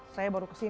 saya baru keseluruhan